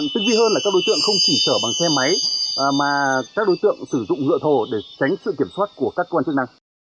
tức dư hơn là các đối tượng không chỉ sở bằng xe máy mà các đối tượng sử dụng dựa thồ để tránh sự kiểm soát của các quan chức năng